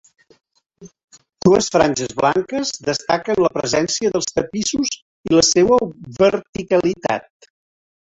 Dues franges blanques destaquen la presència dels tapissos i la seua verticalitat.